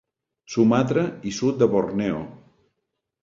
Sumatra i sud de Borneo.